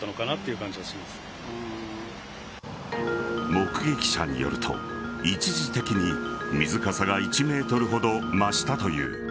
目撃者によると一時的に、水かさが１ｍほど増したという。